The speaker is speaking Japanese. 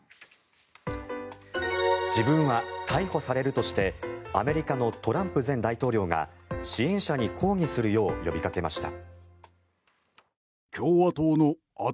自分は逮捕されるとしてアメリカのトランプ前大統領が支援者に抗議するよう呼びかけました。